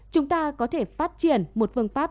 chúng ta có thể phát triển một phương pháp